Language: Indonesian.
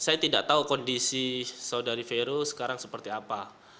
saya tidak tahu kondisi saudari vero sekarang seperti apa